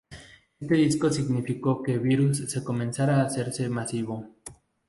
Este disco significó que Virus se comenzara a hacerse masivo.